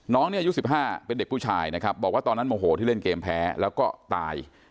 น้องเนี่ยอายุ๑๕เป็นเด็กผู้ชายนะครับบอกว่าตอนนั้นโมโหที่เล่นเกมแพ้แล้วก็ตาย